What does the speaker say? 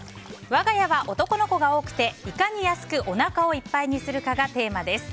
我が家は男の子が多くていかに安くおなかをいっぱいにするかがテーマです。